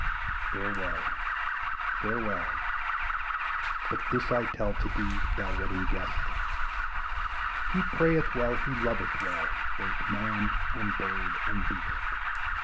Farewell, farewell! but this I tell To thee, thou Wedding Guest! He prayeth well, who loveth well Both man and bird and beast.